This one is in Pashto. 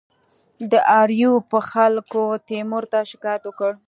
د آریوب خلکو تیمور ته شکایت وکړ.